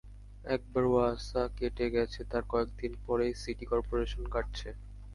একবার ওয়াসা কেটে গেছে, তার কয়েক দিন পরেই সিটি করপোরেশন কাটছে।